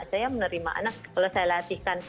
saya menerima anak kalau saya latihkan